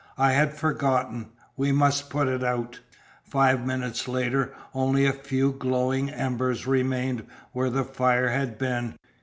"I had forgotten. We must put it out!" Five minutes later only a few glowing embers remained where the fire had been.